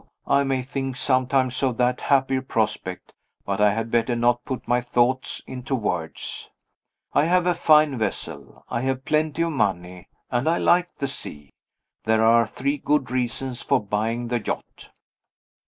I may think sometimes of that happier prospect, but I had better not put my thoughts into words. I have a fine vessel; I have plenty of money; and I like the sea. There are three good reasons for buying the yacht.